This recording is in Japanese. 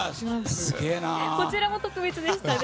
こちらも特別でしたね。